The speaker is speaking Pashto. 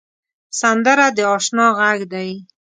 سندره د اشنا غږ دی